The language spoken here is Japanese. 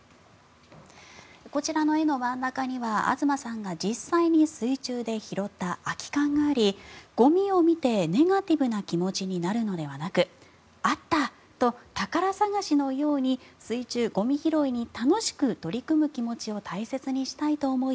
こちらの絵の真ん中には東さんが実際に水中で拾った空き缶がありゴミを見てネガティブな気持ちになるのではなくあった！と宝探しのように水中ゴミ拾いに楽しく取り組む気持ちを大切にしたいと思い